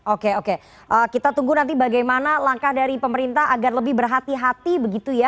oke oke kita tunggu nanti bagaimana langkah dari pemerintah agar lebih berhati hati begitu ya dalam menekan penyebaran varian omicron